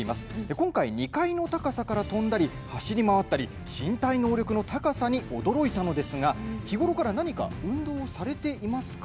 今回２階の高さから飛んだり走り回ったり身体能力の高さに驚いたのですが日頃から何か運動をされていますか。